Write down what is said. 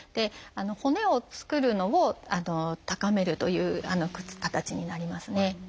骨を作るのを高めるという形になりますね。